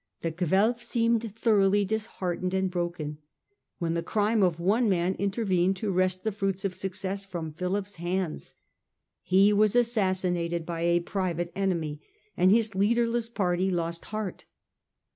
The Guelf seemed thoroughly disheartened and broken, when the crime of one man intervened to wrest the fruits of success from Philip's hands. He was assassinated by a private enemy, and his leaderless party lost heart.